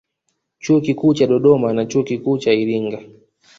Chuo Kikuu cha Dodoma na Chuo Kikuu cha Iringa